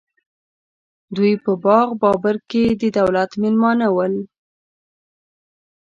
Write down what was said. دوی په باغ بابر کې د دولت مېلمانه ول.